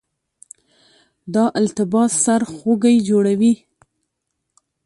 دا التباس سرخوږی جوړوي.